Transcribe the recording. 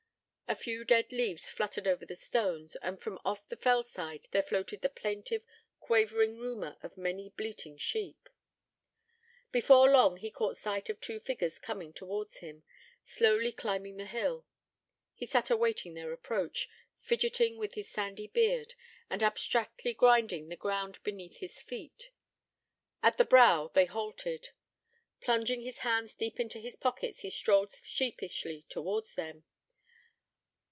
A few dead leaves fluttered over the stones, and from off the fell side there floated the plaintive, quavering rumour of many bleating sheep. Before long, he caught sight of two figures coming towards him, slowly climbing the hill. He sat awaiting their approach, fidgeting with his sandy beard, and abstractedly grinding the ground beneath his heel. At the brow they halted: plunging his hands deep into his pockets, he strolled sheepishly towards them.